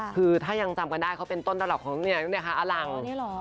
คือถ้ายังจำกันได้เขาเป็นต้นตลกของอลัง